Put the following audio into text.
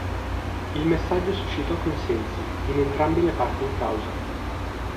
Il messaggio suscitò consensi in entrambe le parti in causa.